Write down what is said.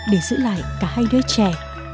để giữ lại cả hai đứa trẻ